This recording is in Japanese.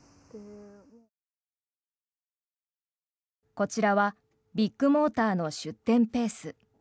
こちらはビッグモーターの出店ペース。